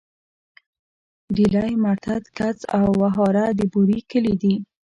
ډيلی، مرتت، کڅ او وهاره د بوري کلي دي.